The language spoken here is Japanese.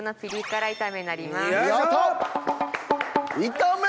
炒め？